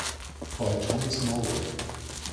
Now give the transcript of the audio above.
By Thomas Morell.